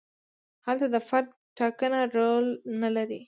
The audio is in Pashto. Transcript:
هلته د فرد ټاکنه رول نه لري.